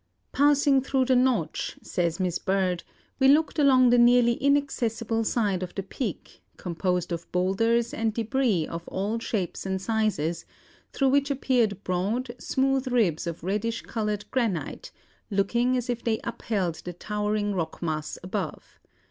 "Passing through the 'Notch,'" says Miss Bird, "we looked along the nearly inaccessible side of the peak, composed of boulders and débris of all shapes and sizes, through which appeared broad, smooth ribs of reddish coloured granite, looking as if they upheld the towering rock mass above.